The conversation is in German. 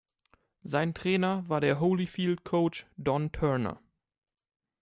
Sein Trainer war der Holyfield-Coach Don Turner.